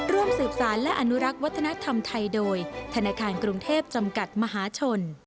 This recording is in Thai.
ร่วมสืบสารและอนุรักษ์วัฒนธรรมไทยโดยธนาคารกรุงเทพจำกัดมหาชน